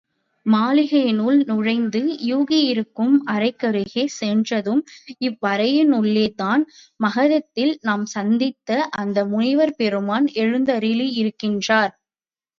மாளிகையினுள் நுழைந்து யூகி இருக்கும் அறைக்கருகே சென்றதும், இவ்வறையினுள்ளேதான் மகதத்தில் நாம் சந்தித்த அந்த முனிவர் பெருமான் எழுந்தருளியிருக்கின்றார்.